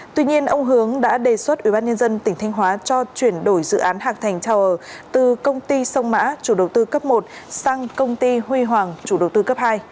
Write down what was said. tuy nhiên ông hướng đã đề xuất ubnd tỉnh thanh hóa cho chuyển đổi dự án hạc thành tower từ công ty sông mã chủ đầu tư cấp một sang công ty huy hoàng chủ đầu tư cấp hai